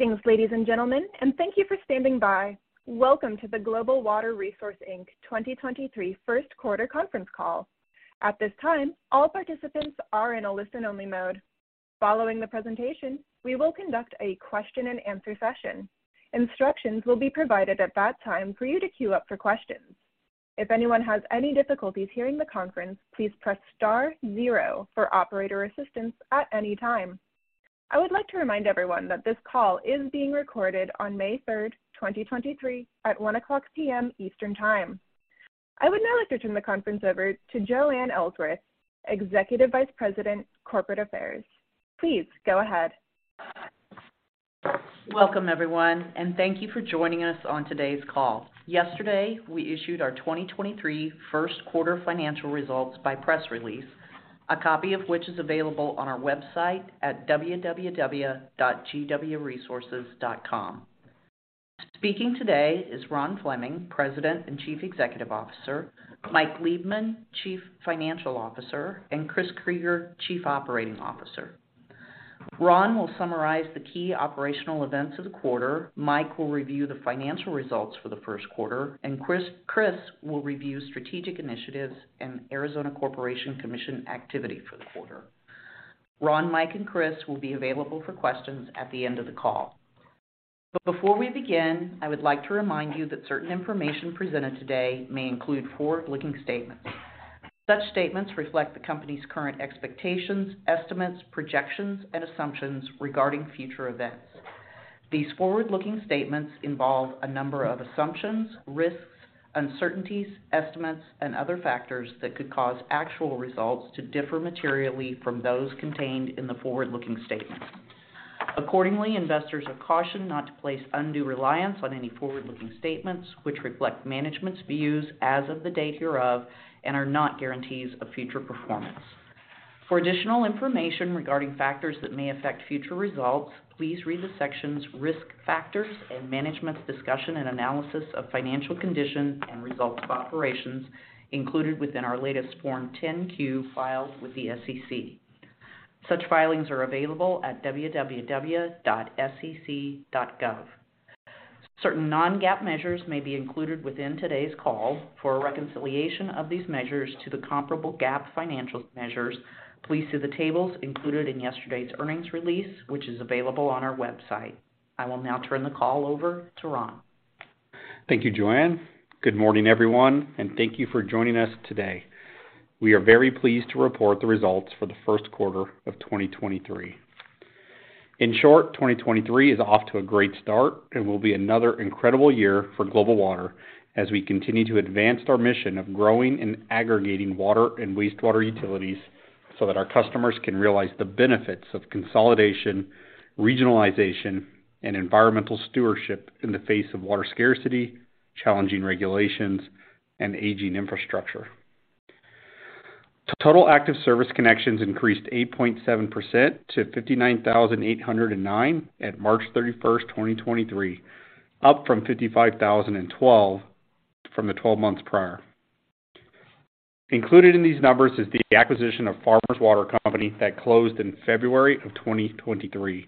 Greetings, ladies and gentlemen, and thank you for standing by. Welcome to the Global Water Resources, Inc. 2023 first quarter conference call. At this time, all participants are in a listen only mode. Following the presentation, we will conduct a question and answer session. Instructions will be provided at that time for you to queue up for questions. If anyone has any difficulties hearing the conference, please press star zero for operator assistance at any time. I would like to remind everyone that this call is being recorded on May 3rd, 2023, at 1:00 P.M. Eastern Time. I would now like to turn the conference over to Joanne Ellsworth, Executive Vice President, Corporate Affairs. Please go ahead. Welcome, everyone, thank you for joining us on today's call. Yesterday, we issued our 2023 first quarter financial results by press release, a copy of which is available on our website at www.gwresources.com. Speaking today is Ron Fleming, President and Chief Executive Officer, Mike Liebman, Chief Financial Officer, and Chris Krygier, Chief Operating Officer. Ron will summarize the key operational events of the quarter, Mike will review the financial results for the first quarter, and Chris will review strategic initiatives and Arizona Corporation Commission activity for the quarter. Ron, Mike, and Chris will be available for questions at the end of the call. Before we begin, I would like to remind you that certain information presented today may include forward-looking statements. Such statements reflect the company's current expectations, estimates, projections, and assumptions regarding future events. These forward-looking statements involve a number of assumptions, risks, uncertainties, estimates, and other factors that could cause actual results to differ materially from those contained in the forward-looking statements. Accordingly, investors are cautioned not to place undue reliance on any forward-looking statements, which reflect management's views as of the date hereof and are not guarantees of future performance. For additional information regarding factors that may affect future results, please read the sections Risk Factors and Management's Discussion and Analysis of Financial Condition and Results of Operations included within our latest Form 10-Q filed with the SEC. Such filings are available at www.sec.gov. Certain non-GAAP measures may be included within today's call. For a reconciliation of these measures to the comparable GAAP financial measures, please see the tables included in yesterday's earnings release, which is available on our website. I will now turn the call over to Ron. Thank you, Joanne. Good morning, everyone, and thank you for joining us today. We are very pleased to report the results for the first quarter of 2023. In short, 2023 is off to a great start and will be another incredible year for Global Water as we continue to advance our mission of growing and aggregating Water and Wastewater utilities so that our customers can realize the benefits of consolidation, regionalization, and environmental stewardship in the face of water scarcity, challenging regulations, and aging infrastructure. Total active service connections increased 8.7% to 59,809 at March 31, 2023, up from 55,012 from the 12 months prior. Included in these numbers is the acquisition of Farmers Water Company that closed in February of 2023.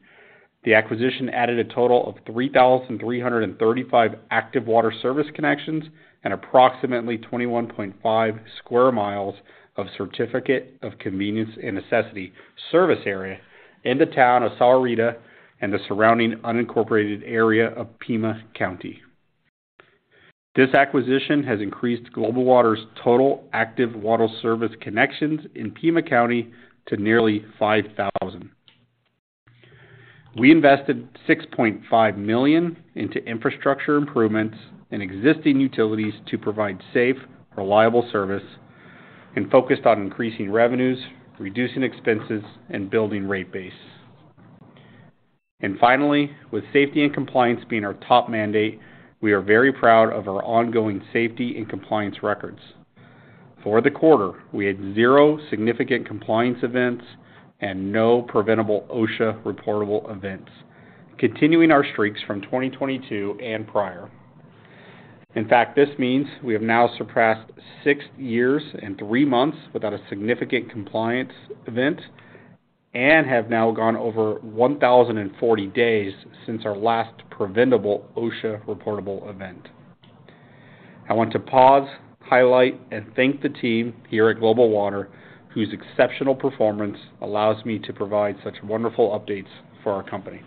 The acquisition added a total of 3,335 active water service connections and approximately 21.5 sq mi of Certificate of Convenience and Necessity service area in the town of Sahuarita and the surrounding unincorporated area of Pima County. This acquisition has increased Global Water's total active water service connections in Pima County to nearly 5,000. We invested $6.5 million into infrastructure improvements in existing utilities to provide safe, reliable service and focused on increasing revenues, reducing expenses, and building rate base. Finally, with safety and compliance being our top mandate, we are very proud of our ongoing safety and compliance records. For the quarter, we had significant compliance events and no preventable OSHA reportable events, continuing our streaks from 2022 and prior. In fact, this means we have now surpassed six years and three months without a significant compliance event and have now gone over 1,040 days since our last preventable OSHA reportable event. I want to pause, highlight, and thank the team here at Global Water whose exceptional performance allows me to provide such wonderful updates for our company.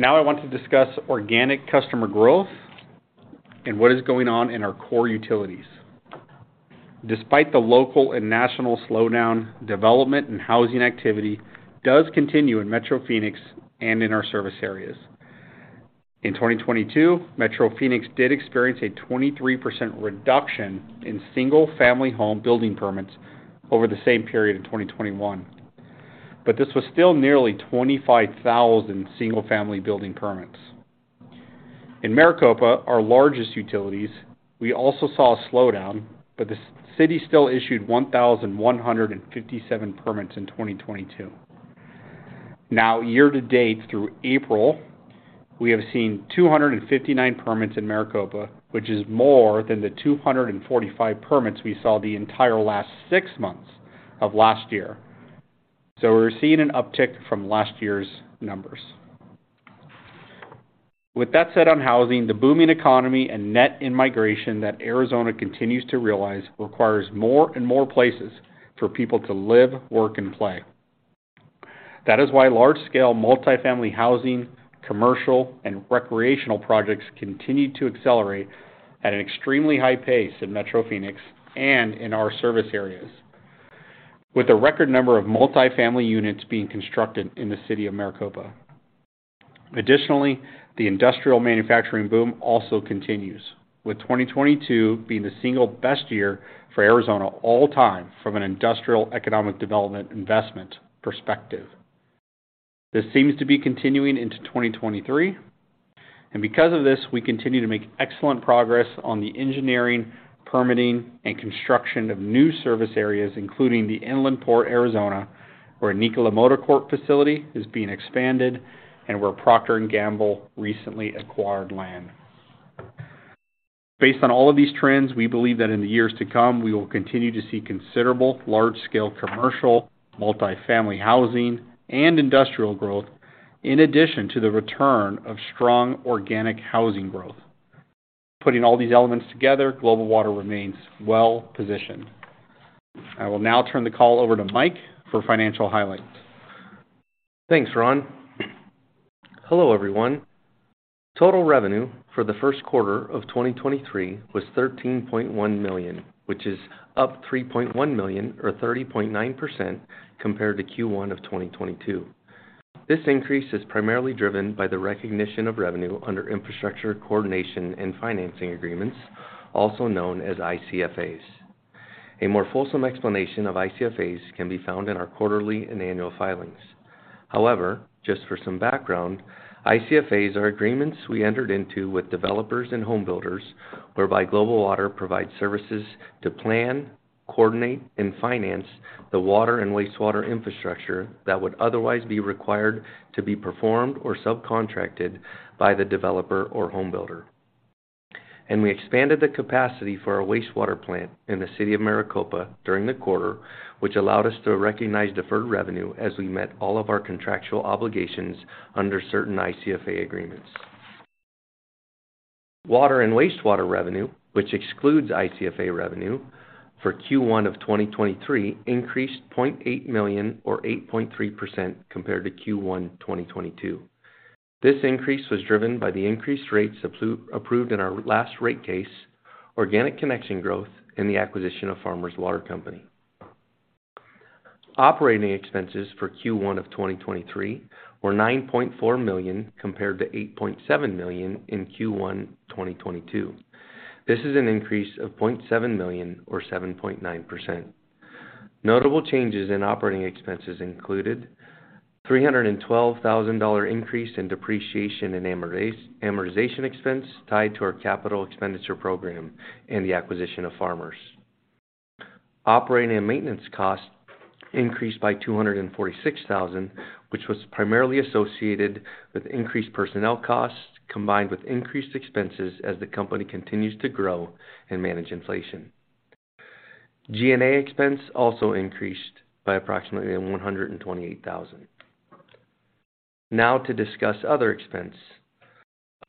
Now I want to discuss organic customer growth and what is going on in our core utilities. Despite the local and national slowdown, development and housing activity does continue in Metro Phoenix and in our service areas. In 2022, Metro Phoenix did experience a 23% reduction in single family home building permits over the same period in 2021. This was still nearly 25,000 single-family building permits. In Maricopa, our largest utilities, we also saw a slowdown, but the city still issued 1,157 permits in 2022. Year to date through April, we have seen 259 permits in Maricopa, which is more than the 245 permits we saw the entire last six months of last year. We're seeing an uptick from last year's numbers. With that said on housing, the booming economy and net in-migration that Arizona continues to realize requires more and more places for people to live, work, and play. That is why large-scale multi-family housing, commercial, and recreational projects continue to accelerate at an extremely high pace in Metro Phoenix and in our service areas, with a record number of multi-family units being constructed in the city of Maricopa. Additionally, the industrial manufacturing boom also continues, with 2022 being the single best year for Arizona all time from an industrial economic development investment perspective. Because of this, we continue to make excellent progress on the engineering, permitting, and construction of new service areas, including the Inland Port Arizona, where Nikola Corporation facility is being expanded and where Procter & Gamble recently acquired land. Based on all of these trends, we believe that in the years to come, we will continue to see considerable large-scale commercial, multifamily housing, and industrial growth, in addition to the return of strong organic housing growth. Putting all these elements together, Global Water remains well-positioned. I will now turn the call over to Mike for financial highlights. Thanks, Ron. Hello, everyone. Total revenue for the first quarter of 2023 was $13.1 million, which is up $3.1 million or 30.9% compared to Q1 of 2022. This increase is primarily driven by the recognition of revenue under infrastructure coordination and financing agreements, also known as ICFAs. A more fulsome explanation of ICFAs can be found in our quarterly and annual filings. However, just for some background, ICFAs are agreements we entered into with developers and home builders whereby Global Water provides services to plan, coordinate, and finance the Water and Wastewater infrastructure that would otherwise be required to be performed or subcontracted by the developer or home builder. We expanded the capacity for our wastewater plant in the city of Maricopa during the quarter, which allowed us to recognize deferred revenue as we met all of our contractual obligations under certain ICFA agreements. Water and Wastewater revenue, which excludes ICFA revenue for Q1 of 2023 increased $0.8 million or 8.3% compared to Q1 2022. This increase was driven by the increased rates approved in our last rate case, organic connection growth, and the acquisition of Farmers Water Company. Operating expenses for Q1 of 2023 were $9.4 million compared to $8.7 million in Q1 2022. This is an increase of $0.7 million or 7.9%. Notable changes in operating expenses included $312,000 increase in depreciation and amortization expense tied to our capital expenditure program and the acquisition of Farmers. Operating and maintenance costs increased by $246,000, which was primarily associated with increased personnel costs combined with increased expenses as the company continues to grow and manage inflation. G&A expense also increased by approximately $128,000. Now to discuss other expense.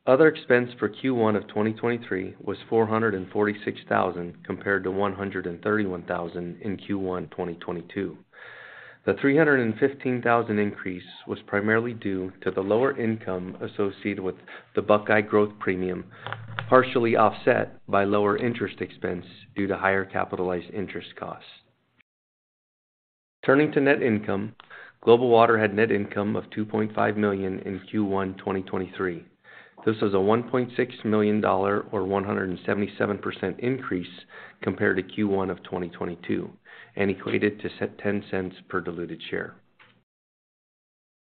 Other expense for Q1 of 2023 was $446,000 compared to $131,000 in Q1 2022. The $315,000 increase was primarily due to the lower income associated with the Buckeye growth premium, partially offset by lower interest expense due to higher capitalized interest costs. Turning to net income, Global Water had net income of $2.5 million in Q1 2023. This was a $1.6 million or 177% increase compared to Q1 of 2022 and equated to $0.10 per diluted share.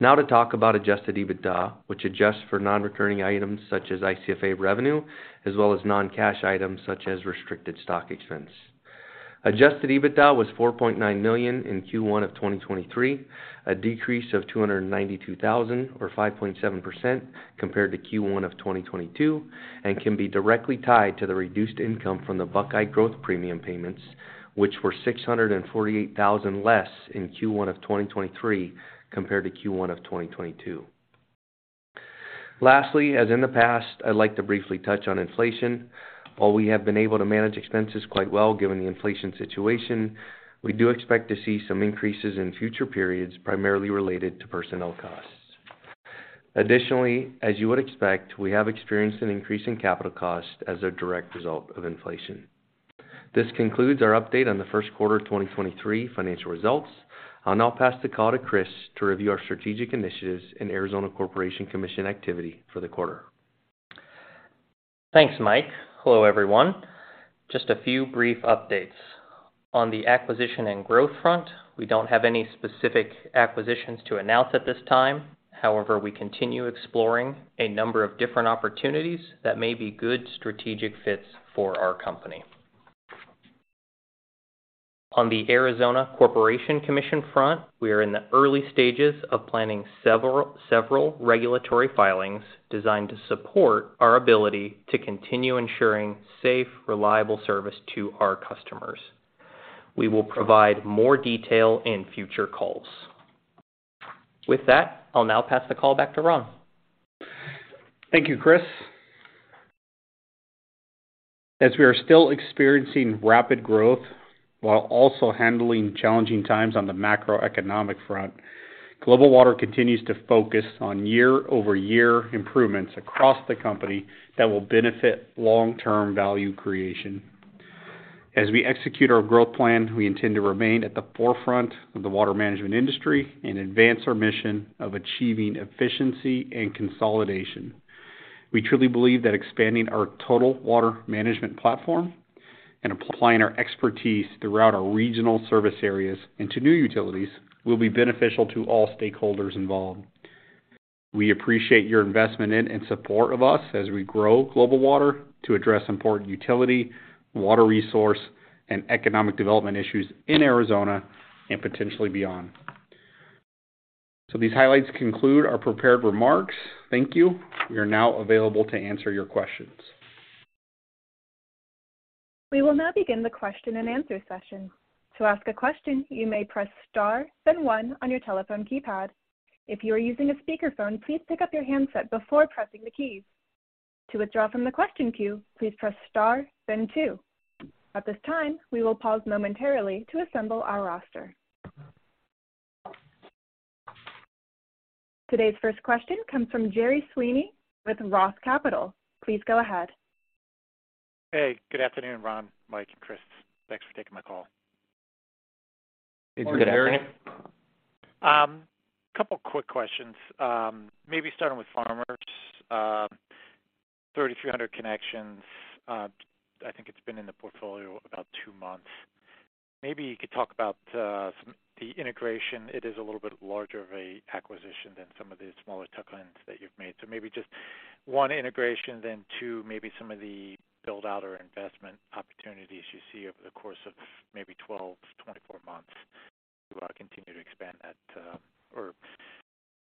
To talk about adjusted EBITDA, which adjusts for non-recurring items such as ICFA revenue, as well as non-cash items such as restricted stock expense. Adjusted EBITDA was $4.9 million in Q1 of 2023, a decrease of $292,000 or 5.7% compared to Q1 of 2022, and can be directly tied to the reduced income from the Buckeye growth premium payments, which were $648,000 less in Q1 of 2023 compared to Q1 of 2022. As in the past, I'd like to briefly touch on inflation. While we have been able to manage expenses quite well given the inflation situation, we do expect to see some increases in future periods, primarily related to personnel costs. Additionally, as you would expect, we have experienced an increase in capital costs as a direct result of inflation. This concludes our update on the first quarter of 2023 financial results. I'll now pass the call to Chris to review our strategic initiatives and Arizona Corporation Commission activity for the quarter. Thanks, Mike. Hello, everyone. Just a few brief updates. On the acquisition and growth front, we don't have any specific acquisitions to announce at this time. We continue exploring a number of different opportunities that may be good strategic fits for our company. On the Arizona Corporation Commission front, we are in the early stages of planning several regulatory filings designed to support our ability to continue ensuring safe, reliable service to our customers. We will provide more detail in future calls. With that, I'll now pass the call back to Ron. Thank you, Chris. As we are still experiencing rapid growth while also handling challenging times on the macroeconomic front, Global Water continues to focus on year-over-year improvements across the company that will benefit long-term value creation. As we execute our growth plan, we intend to remain at the forefront of the water management industry and advance our mission of achieving efficiency and consolidation. We truly believe that expanding our Total Water Management platform and applying our expertise throughout our regional service areas into new utilities will be beneficial to all stakeholders involved. We appreciate your investment in and support of us as we grow Global Water to address important utility, water resource, and economic development issues in Arizona and potentially beyond. These highlights conclude our prepared remarks. Thank you. We are now available to answer your questions. We will now begin the question-and-answer session. To ask a question, you may press star, then one on your telephone keypad. If you are using a speakerphone, please pick up your handset before pressing the keys. To withdraw from the question queue, please press star, then two. At this time, we will pause momentarily to assemble our roster. Today's first question comes from Gerry Sweeney with Roth Capital. Please go ahead. Hey, good afternoon, Ron, Mike, and Chris. Thanks for taking my call. Good morning, Gerry. Good afternoon. A couple quick questions. Maybe starting with Farmers. 3,300 connections. I think it's been in the portfolio about two months. Maybe you could talk about the integration. It is a little bit larger of a acquisition than some of the smaller tuck-ins that you've made. Maybe just one, integration, then two, maybe some of the build-out or investment opportunities you see over the course of maybe 12 to 24 months. You want to continue to expand that, or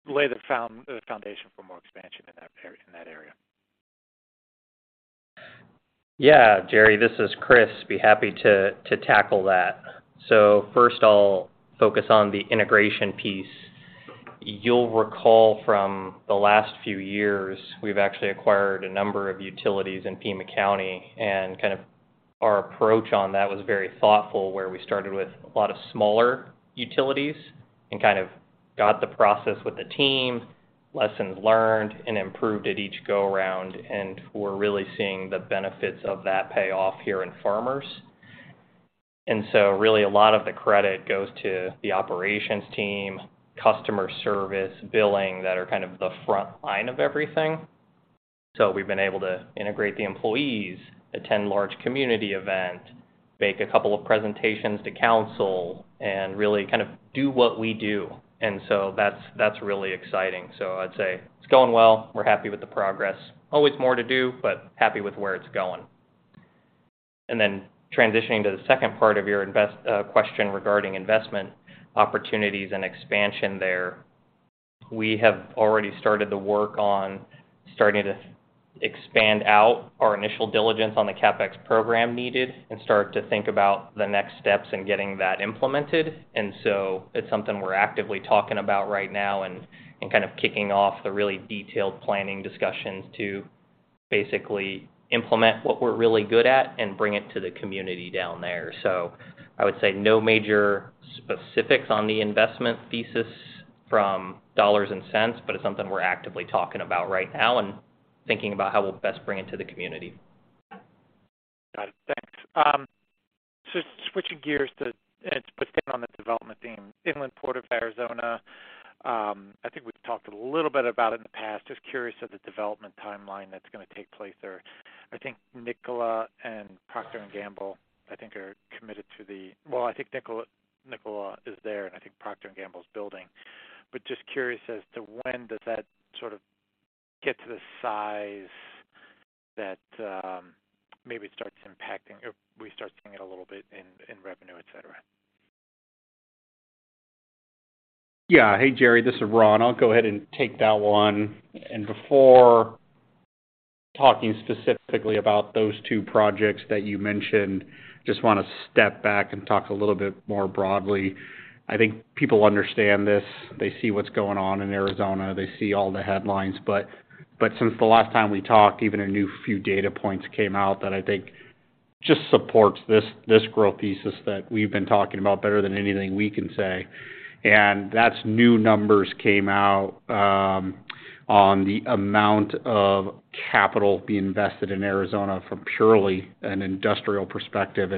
lay the foundation for more expansion in that area. Yeah. Gerry, this is Chris. Be happy to tackle that. First I'll focus on the integration piece. You'll recall from the last few years, we've actually acquired a number of utilities in Pima County, and kind of our approach on that was very thoughtful, where we started with a lot of smaller utilities and kind of got the process with the team, lessons learned, and improved at each go-around. We're really seeing the benefits of that pay off here in Farmers. Really a lot of the credit goes to the operations team, customer service, billing that are kind of the front line of everything. We've been able to integrate the employees, attend one large community events, make a couple of presentations to council and really kind of do what we do. That's, that's really exciting. I'd say it's going well. We're happy with the progress. Always more to do, but happy with where it's going. Transitioning to the second part of your question regarding investment opportunities and expansion there. We have already started the work on starting to expand out our initial diligence on the CapEx program needed and start to think about the next steps in getting that implemented. It's something we're actively talking about right now and kind of kicking off the really detailed planning discussions to basically implement what we're really good at and bring it to the community down there. I would say no major specifics on the investment thesis from dollars and cents, but it's something we're actively talking about right now and thinking about how we'll best bring it to the community. Got it. Thanks. Switching gears and it's putting on the development theme, Inland Port Arizona. I think we've talked a little bit about it in the past. Just curious of the development timeline that's gonna take place there. I think Nikola and Procter & Gamble, I think are committed to the... Well, I think Nikola is there, and I think Procter & Gamble is building. But just curious as to when does that sort of get to the size that maybe starts impacting or we start seeing it a little bit in revenue, et cetera. Yeah. Hey, Gerry, this is Ron. I'll go ahead and take that one. Before talking specifically about those two projects that you mentioned, just wanna step back and talk a little bit more broadly. I think people understand this. They see what's going on in Arizona. They see all the headlines. But since the last time we talked, even a new few data points came out that I think just supports this growth thesis that we've been talking about better than anything we can say. That's new numbers came out on the amount of capital being invested in Arizona from purely an industrial perspective.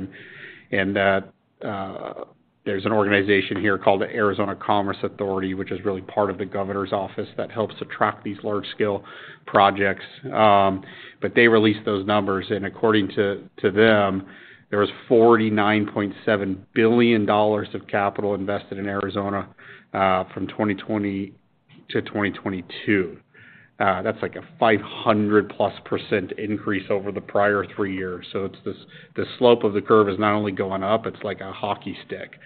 That there's an organization here called the Arizona Commerce Authority, which is really part of the governor's office that helps attract these large-scale projects. They released those numbers, and according to them, there was $49.7 billion of capital invested in Arizona from 2020-2022. That's like a 500%+ increase over the prior three years. It's this slope of the curve is not only going up, it's like a hockey stick.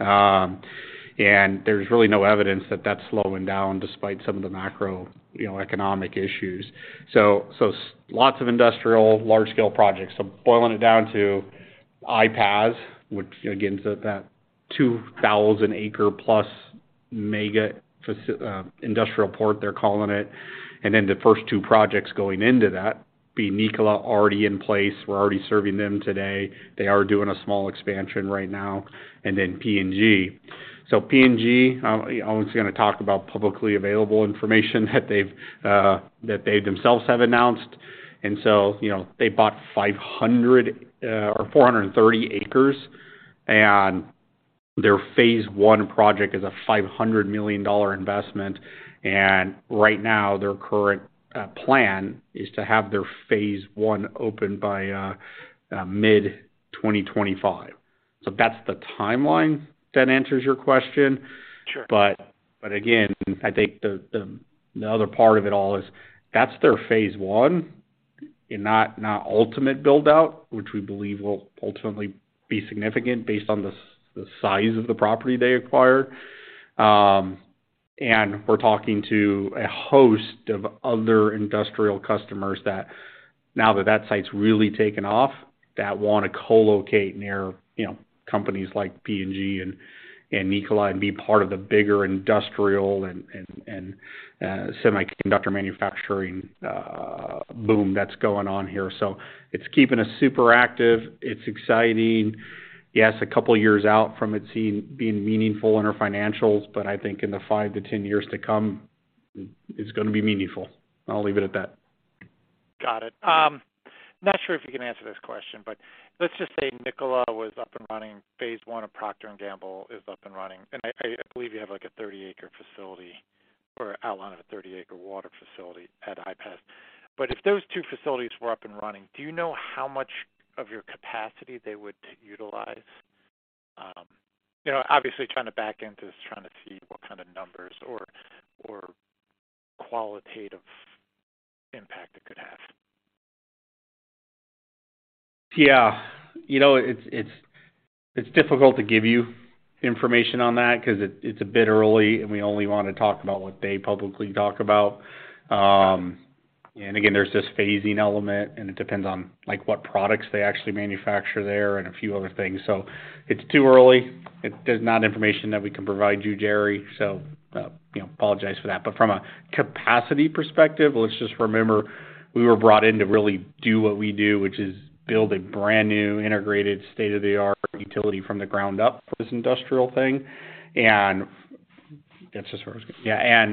There's really no evidence that that's slowing down despite some of the macro, you know, economic issues. Lots of industrial large scale projects. Boiling it down to IPAZ, which again is at that 2,000-acre plus mega industrial port, they're calling it. The first two projects going into that, be Nikola already in place. We're already serving them today. They are doing a small expansion right now, and then P&G. P&G, you know, I'm just gonna talk about publicly available information that they've that they themselves have announced. You know, they bought 500 or 430 acres, and their phase one project is a $500 million investment. Right now, their current plan is to have their phase 1 open by mid-2025. That's the timeline that answers your question. Sure. Again, I think the other part of it all is that's their phase 1 and not ultimate build-out, which we believe will ultimately be significant based on the size of the property they acquired. And we're talking to a host of other industrial customers that now that that site's really taken off, that wanna co-locate near, you know, companies like P&G and Nikola and be part of the bigger industrial and semiconductor manufacturing boom that's going on here. It's keeping us super active. It's exciting. Yes, two years out from it being meaningful in our financials, but I think in the five to 10 years to come, it's gonna be meaningful. I'll leave it at that. Got it. Not sure if you can answer this question, let's just say Nikola was up and running, phase one of Procter & Gamble is up and running, and I believe you have like a 30-acre facility or outline of a 30-acre water facility at IPAZ. If those two facilities were up and running, do you know how much of your capacity they would utilize? You know, obviously trying to back into this, trying to see what kind of numbers or qualitative impact it could have. Yeah. You know, it's difficult to give you information on that 'cause it's a bit early, and we only wanna talk about what they publicly talk about. Again, there's this phasing element, and it depends on like what products they actually manufacture there and a few other things. It's too early. It is not information that we can provide you, Gerry. You know, apologize for that. From a capacity perspective, let's just remember we were brought in to really do what we do, which is build a brand new integrated state-of-the-art utility from the ground up for this industrial thing. And that's as far as... Yeah,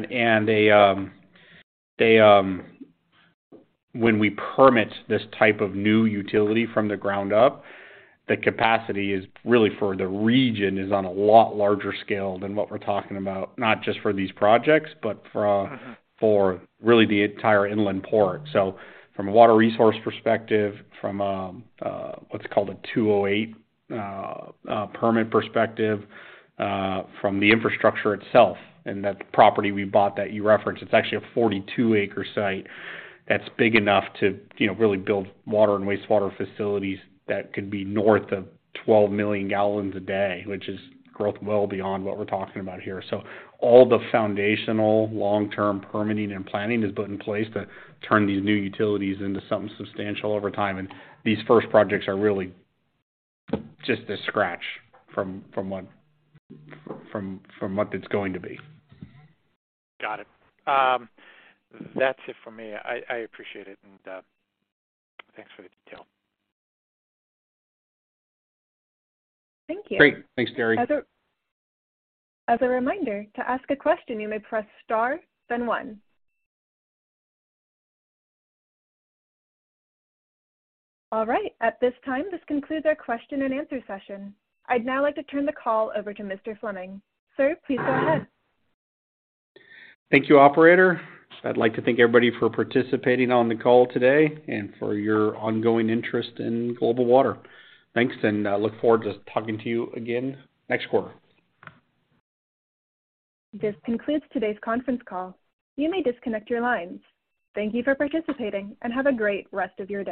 they when we permit this type of new utility from the ground up, the capacity is really for the region is on a lot larger scale than what we're talking about, not just for these projects. Mm-hmm. for really the entire Inland Port. From a water resource perspective, from a what's called a 208 permit perspective, from the infrastructure itself and that property we bought that you referenced, it's actually a 42 acre site that's big enough to, you know, really build Water and Wastewater facilities that could be north of 12 million gallons a day, which is growth well beyond what we're talking about here. All the foundational long-term permitting and planning is put in place to turn these new utilities into something substantial over time, and these first projects are really just a scratch from what it's going to be. Got it. That's it for me. I appreciate it, and thanks for the detail. Thank you. Great. Thanks, Gerry. As a reminder, to ask a question, you may press star then one. At this time, this concludes our question and answer session. I'd now like to turn the call over to Mr. Fleming. Sir, please go ahead. Thank you, operator. I'd like to thank everybody for participating on the call today and for your ongoing interest in Global Water. Thanks. I look forward to talking to you again next quarter. This concludes today's conference call. You may disconnect your lines. Thank you for participating, and have a great rest of your day.